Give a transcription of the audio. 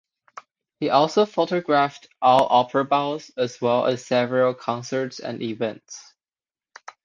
He also photographed all opera balls as well as several concerts and events.